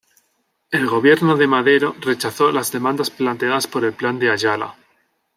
El gobierno de Madero rechazó las demandas planteadas por el Plan de Ayala.